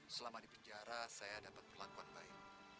selama di penjara saya dapat perlakuan baik